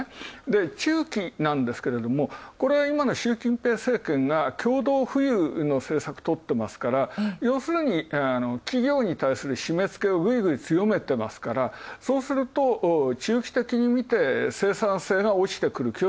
中期なんですけれど、これ今の習近平政権が共同富裕の政策とっていますから要するに企業に対するしめつけをぐいぐい強めてますから、そうすると中期的にみて、生産性が落ちてくる。